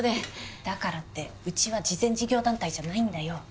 だからってうちは慈善事業団体じゃないんだよ。